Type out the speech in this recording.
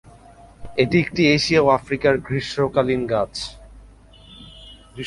এটি একটি এশিয়া ও আফ্রিকার গ্রীষ্মকালীন গাছ।